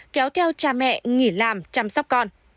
kéo theo cha mẹ nghỉ làm chăm sóc con